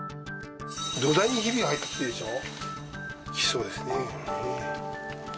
土台にひびが入ってきているでしょ。